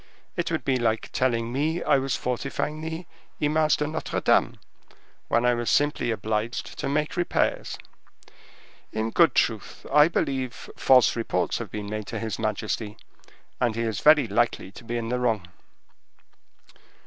It would be like telling me I was fortifying the Image de Notre Dame, when I was simply obliged to make repairs. In good truth, I believe false reports have been made to his majesty, and he is very likely to be in the wrong."